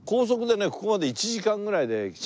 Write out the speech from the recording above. ここまで１時間ぐらいで来ちゃうんですよね。